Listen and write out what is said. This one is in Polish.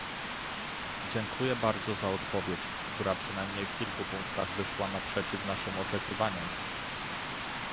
Dziękuję bardzo za odpowiedź, która przynajmniej w kilku punktach wyszła naprzeciw naszym oczekiwaniom